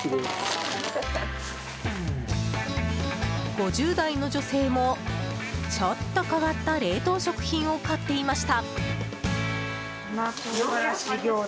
５０代の女性もちょっと変わった冷凍食品を買っていました。